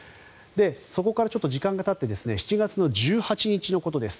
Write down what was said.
そこから時間がたって７月１８日のことです。